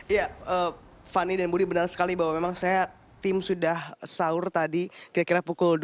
ya fani dan budi benar sekali bahwa memang saya tim sudah sahur tadi kira kira pukul dua belas